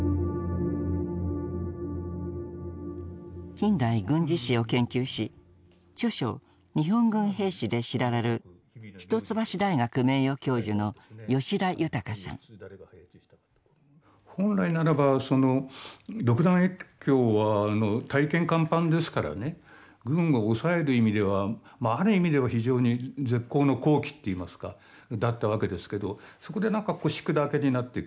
近代軍事史を研究し著書「日本軍兵士」で知られる本来ならばその独断越境は大権干犯ですからね軍を抑える意味ではある意味では非常に絶好の好機といいますかだったわけですけどそこで何か腰砕けになっていく。